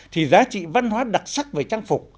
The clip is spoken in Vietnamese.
thì giá trị văn hóa đặc sắc về trang phục